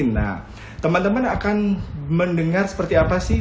nah teman teman akan mendengar seperti apa sih